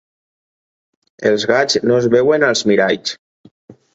Els gats no es veuen als miralls.